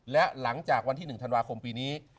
และหลังจากวันที่๑ธันวาคมปีนี้